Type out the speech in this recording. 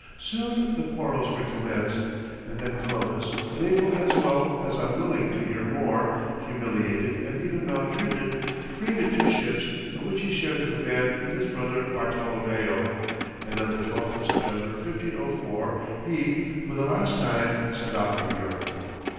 Soon the quarrels recommenced, and then Columbus, unable as well as unwilling to hear more, humiliated, and even maltreated, freighted two ships, of which he shared the command with his brother Bartolomeo, and on the 12th of September, 1504, he for the last time set out for Europe.